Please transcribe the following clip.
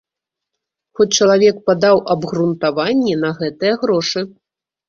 Хоць чалавек падаў абгрунтаванні на гэтыя грошы.